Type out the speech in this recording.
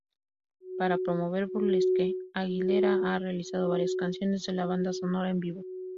Para promover "Burlesque", Aguilera ha realizado varias canciones de la banda sonora en vivo.